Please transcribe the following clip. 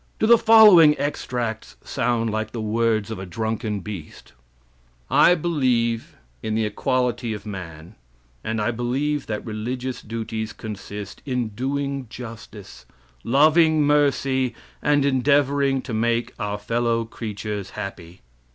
Do the following extracts sound like the words of a drunken beast: "I believe in the equality of man, and I believe that religious duties consist in doing justice, loving mercy, and endeavoring to make our fellow creatures happy.